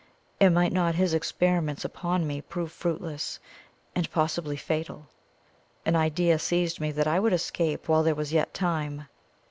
and might not his experiments upon me prove fruitless, and possibly fatal? An idea seized me that I would escape while there was yet time.